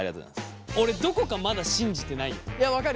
俺どこかまだ信じてないよ。